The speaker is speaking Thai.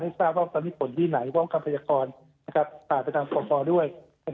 ให้ทราบว่าตอนนี้ผลที่ไหนว้างคำพยาคต์ต่างไปทางปรภอด้วย